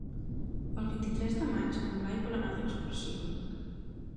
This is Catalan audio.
El vint-i-tres de maig en Blai vol anar d'excursió.